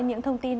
những thông tin